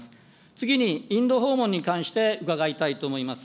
次に、インド訪問に関して伺いたいと思います。